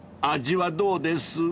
［味はどうです？］